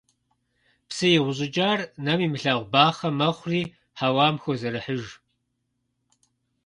Псы игъущыкӀар нэм имылъагъу бахъэ мэхъури хьэуам хозэрыхьыж.